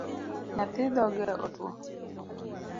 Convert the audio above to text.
Nyathi dhoge otwo